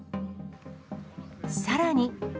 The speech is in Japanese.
さらに。